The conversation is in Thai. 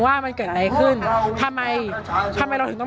อย่างที่บอกไปว่าเรายังยึดในเรื่องของข้อเรียกร้อง๓ข้อ